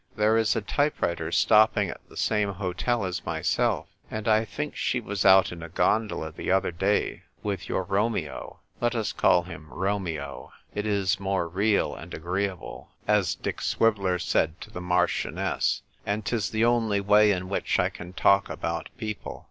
There is a type writer stopping at the same hotel as myself, and I think she was out in a gondola the other day with 3'our Romeo —let us call him Romeo; it is 'more real and agreeable,' as Dick Swi veller said to the Marchioness, and 'tis the only wa}^ in which I can talk about people."